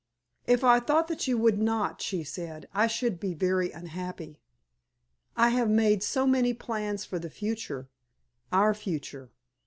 "If I thought that you would not," she said, "I should be very unhappy. I have made so many plans for the future our future."